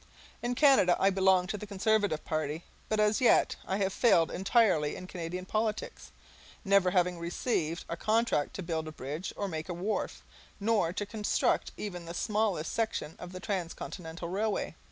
In Canada I belong to the Conservative party, but as yet I have failed entirely in Canadian politics, never having received a contract to build a bridge, or make a wharf, nor to construct even the smallest section of the Transcontinental Railway.